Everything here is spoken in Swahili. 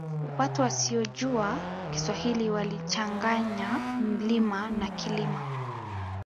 Watu wasiyojua kiswahili walichanganya mlima na kilima